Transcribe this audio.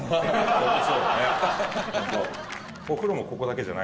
ホントそうだね。